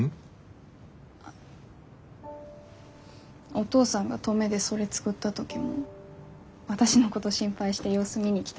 お父さんが登米でそれ作った時も私のこと心配して様子見に来たでしょ？